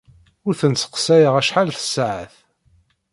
Ur tent-sseqsayeɣ acḥal tasaɛet.